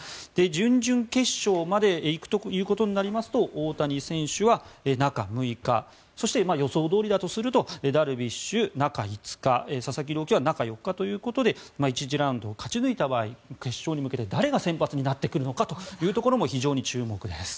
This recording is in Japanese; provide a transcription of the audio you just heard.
準々決勝まで行くということになりますと大谷選手は中６日そして予想どおりだとするとダルビッシュ、中５日佐々木朗希は中４日ということで１次ラウンドを勝ち抜いた場合決勝に向けて誰が先発になってくるのかというところも非常に注目です。